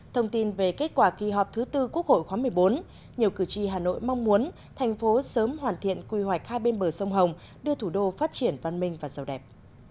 thông tin về kết quả kỳ họp thứ tư quốc hội khóa một mươi bốn nhiều cử tri hà nội mong muốn thành phố sớm hoàn thiện quy hoạch hai bên bờ sông hồng đưa thủ đô phát triển văn minh và giàu đẹp